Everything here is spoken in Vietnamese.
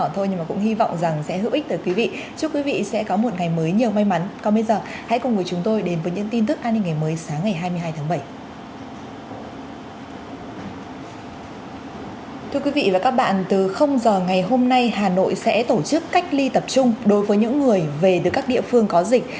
thưa quý vị và các bạn từ giờ ngày hôm nay hà nội sẽ tổ chức cách ly tập trung đối với những người về từ các địa phương có dịch